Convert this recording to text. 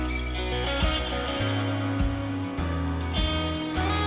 insyaallah tanggal dua puluh lima